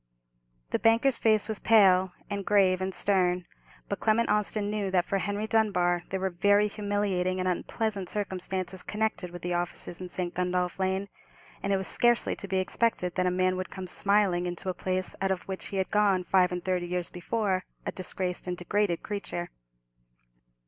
The banker's face was pale, and grave, and stern; but Clement Austin knew that for Henry Dunbar there were very humiliating and unpleasant circumstances connected with the offices in St. Gundolph Lane, and it was scarcely to be expected that a man would come smiling into a place out of which he had gone five and thirty years before a disgraced and degraded creature.